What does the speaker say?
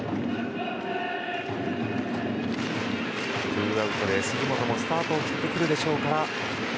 ツーアウトで杉本もスタートを切ってくるでしょうか。